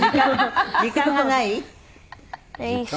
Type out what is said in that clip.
時間がない？